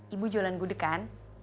ibu jualan gudeg kan